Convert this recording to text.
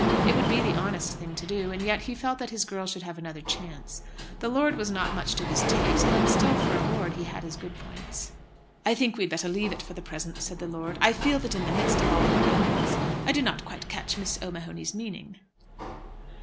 It would be the honest thing to do. And yet he felt that his girl should have another chance. This lord was not much to his taste; but still, for a lord, he had his good points. "I think we had better leave it for the present," said the lord. "I feel that in the midst of all your eloquence I do not quite catch Miss O'Mahony's meaning."